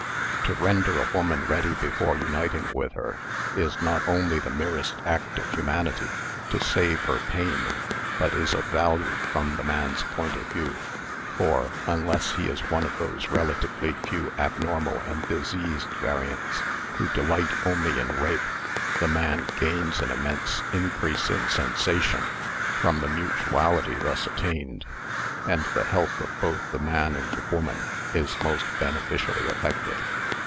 To render a woman ready before uniting with her is not only the merest act of humanity to save her pain, but is of value from the man's point of view, for (unless he is one of those relatively few abnormal and diseased variants who delight only in rape) the man gains an immense increase of sensation from the mutuality thus attained, and the health of both the man and the woman is most beneficially affected.